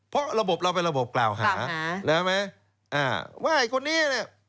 เพราะระบบเราเป็นระบบกล่าวหานะไหมอ่าว่าไอ้คนนี้เนี่ย